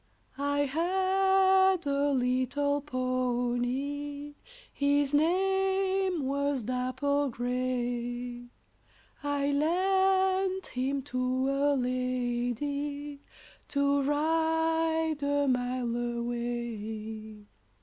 ] I had a little pony, His name was Dapple Grey, I lent him to a lady, To ride a mile away.